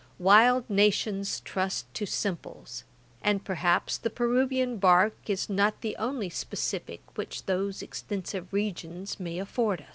Wild nations trust to simples; and, perhaps, the Peruvian bark is not the only specifick which those extensive regions may afford us.